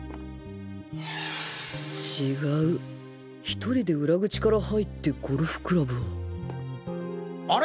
違う１人で裏口から入ってゴルフクラブをあれ？